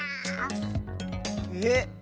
えっ？